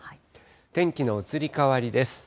天気の移り変わりです。